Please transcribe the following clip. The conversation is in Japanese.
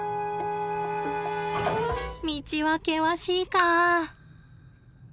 道は険しいか？